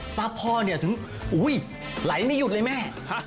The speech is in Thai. ทรัพย์พ่อถึงไหลไม่หยุดเลยแม่